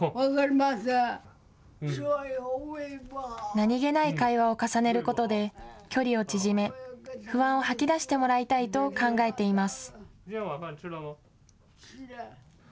何気ない会話を重ねることで距離を縮め不安を吐き出してもらいたいと考えています。